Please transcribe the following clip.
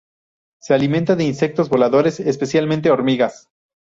Se alimenta de insectos voladores especialmente hormigas.